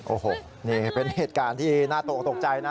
โอ้โหนี่เป็นเหตุการณ์ที่น่าตกตกใจนะ